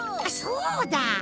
そうだ！